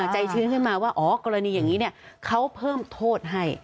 ชื้นขึ้นมาว่าอ๋อกรณีอย่างนี้เขาเพิ่มโทษให้